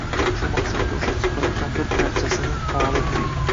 Shu maqsadda o`sha suhbatdan bir parchasini havola etdik